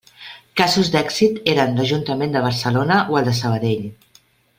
Casos d'èxit eren l'Ajuntament de Barcelona o el de Sabadell.